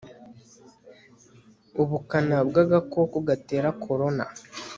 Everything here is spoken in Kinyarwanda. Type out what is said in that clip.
ubukana bwagakoko gatera korona